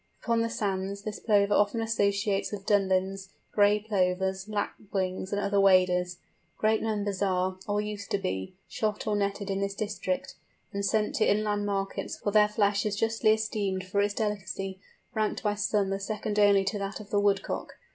Upon the sands this Plover often associates with Dunlins, Gray Plovers, Lapwings, and other waders. Great numbers are, or used to be, shot or netted in this district, and sent to inland markets, for their flesh is justly esteemed for its delicacy, ranked by some as second only to that of the Woodcock.